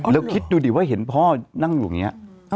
แล้วคิดดูดิว่าเห็นพ่อนั่งอยู่อย่างนี้